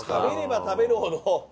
食べれば食べるほど。